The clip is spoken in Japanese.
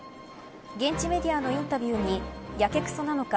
現地メディアのインタビューにやけくそなのか